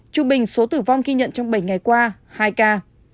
chủ bình số tử vong khi nhận trong bảy ngày qua hai ca